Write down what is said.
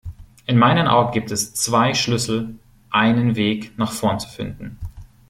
In meinen Augen gibt es zwei Schlüssel, einen Weg nach vorn zu finden.